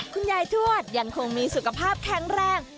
คุณยายทวดยังคงมีสุขภาพแข็งแรง